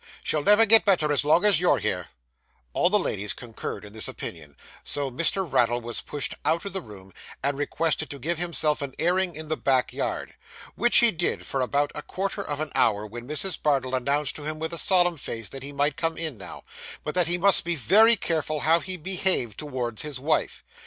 'She'll never get better as long as you're here.' All the ladies concurred in this opinion; so Mr. Raddle was pushed out of the room, and requested to give himself an airing in the back yard. Which he did for about a quarter of an hour, when Mrs. Bardell announced to him with a solemn face that he might come in now, but that he must be very careful how he behaved towards his wife.